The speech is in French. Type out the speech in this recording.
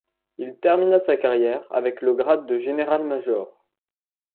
Il termina sa carrière avec le grade de général-major.